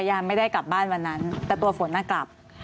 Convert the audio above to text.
ยาไม่ได้กลับบ้านวันนั้นแต่ตัวฝนน่ะกลับ